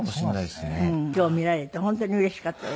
今日見られて本当にうれしかったです。